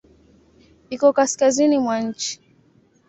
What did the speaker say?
Iko kaskazini mwa nchi.